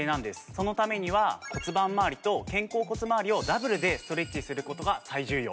そのためには骨盤回りと肩甲骨周りをダブルでストレッチすることが最重要。